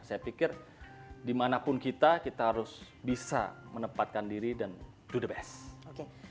saya pikir dimanapun kita kita harus bisa menempatkan diri dan melakukan yang terbaik